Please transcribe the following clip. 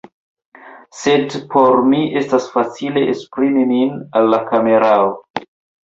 sed por mi estas facile esprimi min al la kamerao